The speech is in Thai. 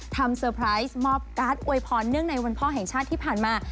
เซอร์ไพรส์มอบการ์ดอวยพรเนื่องในวันพ่อแห่งชาติที่ผ่านมา